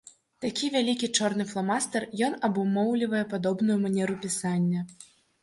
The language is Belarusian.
Такі вялікі чорны фламастар, ён абумоўлівае падобную манеру пісання.